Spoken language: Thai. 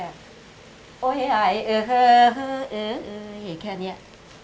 แค่โอ้เฮไหเอฮเอฮเอฮเอฮแค่เนี้ย